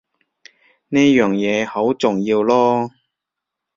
呢樣嘢好重要囉